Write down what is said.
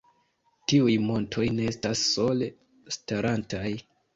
Tiuj montoj ne estas sole starantaj.